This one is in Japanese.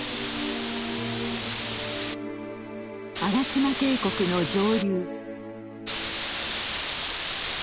吾妻渓谷の上流。